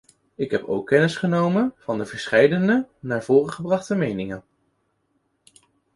Ik heb ook kennis genomen van de verscheidene naar voren gebrachte meningen.